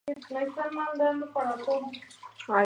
Las semejanzas son bastante extraordinarias con el de Avignon.